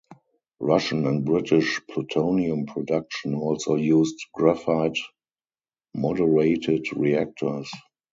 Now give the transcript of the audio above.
Russian and British plutonium production also used graphite-moderated reactors.